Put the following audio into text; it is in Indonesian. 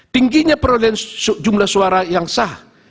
tingginya perolehan jumlah suara yang sah